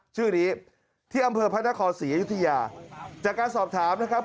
ชื่อนี้ที่อำเภอพระนครศรีอยุธยาจากการสอบถามนะครับ